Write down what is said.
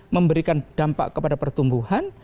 memberikan dampak kepada pertumbuhan